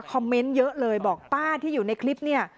เมนต์เยอะเลยบอกป้าที่อยู่ในคลิปเนี่ย